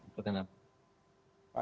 baik apa kabar